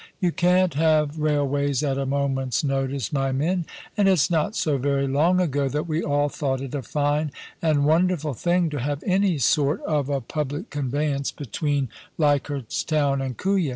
You can't have railways at a moment's notice, my men ; and it's not so very long ago that we all thought it a fine and wonderful thing to have any sort of a public conveyance between lo POLICY AND PASSION. Leichardt's Town and Kooya.